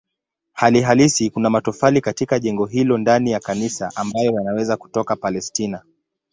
Hali halisi kuna matofali katika jengo hilo ndani ya kanisa ambayo yanaweza kutoka Palestina.